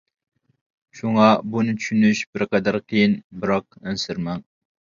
شۇڭا بۇنى چۈشىنىش بىر قەدەر قىيىن، بىراق ئەنسىرىمەڭ!